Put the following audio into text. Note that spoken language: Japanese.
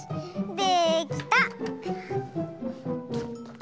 できた！